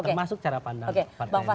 termasuk cara pandang partai yang berkarya